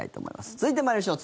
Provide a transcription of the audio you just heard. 続いて参りましょう。